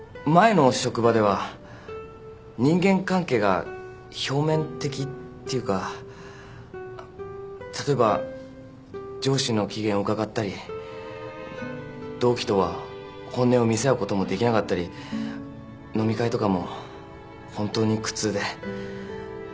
前の職場では人間関係が表面的っていうか例えば上司の機嫌をうかがったり同期とは本音を見せ合うこともできなかったり飲み会とかも本当に苦痛で。